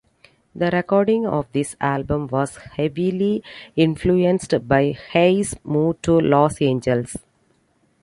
The recording of this album was heavily influenced by Hayes' move to Los Angeles.